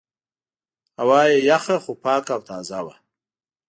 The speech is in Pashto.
هوا یې یخه خو پاکه او تازه وه.